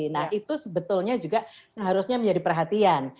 nah itu sebetulnya juga seharusnya menjadi perhatian